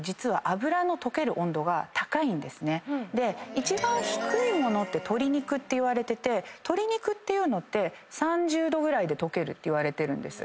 一番低いものって鶏肉っていわれてて鶏肉って３０℃ぐらいで溶けるっていわれてるんです。